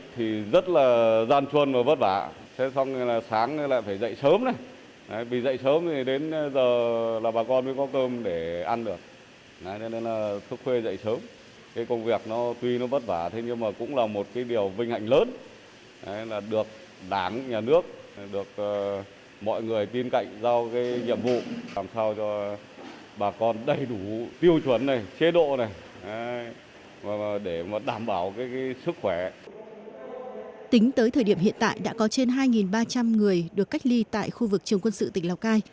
tính tới thời điểm hiện tại đã có trên hai ba trăm linh người được cách ly tại khu vực trường quân sự tỉnh lào cai